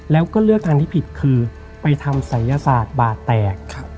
แล้วก็เลือกทางที่ผิดคือไปทำศัยศาสตร์บาดแตก